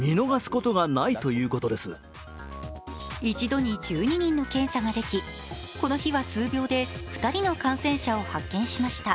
１度に１２人の検査ができ、この日は数秒で２人の感染者を発見しました。